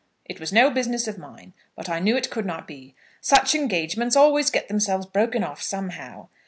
It was no business of mine; but I knew it could not be. Such engagements always get themselves broken off somehow.